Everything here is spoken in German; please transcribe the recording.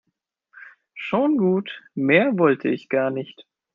Schon gut, mehr wollte ich gar nicht.